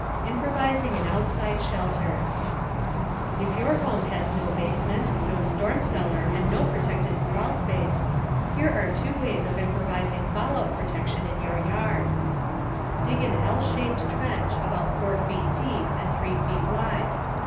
IMPROVISING AN OUTSIDE SHELTER If your home has no basement, no storm cellar and no protected crawl space, here are two ways of improvising fallout protection in your yard: * Dig an L shaped trench, about 4 feet deep and 3 feet wide.